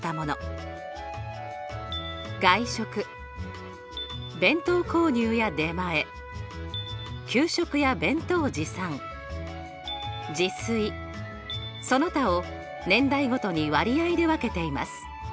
外食弁当購入や出前給食や弁当持参自炊その他を年代ごとに割合で分けています。